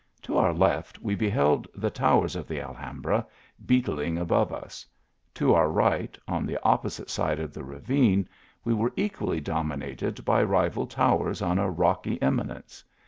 To our left, we beheld the towers of the Alhambra beetling above us ; to our right, on the opposite side of the ravine, we were equally dominated by rival towers on a rocky eminence.